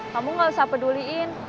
kamu gak usah peduliin